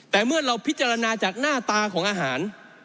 แต่เมื่อเราพิจารณาจากหน้าตาของอาหาร